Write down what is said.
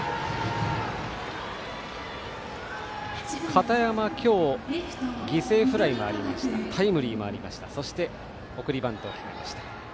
片山は今日犠牲フライがありましたタイムリーもありましたそして送りバントを決めました。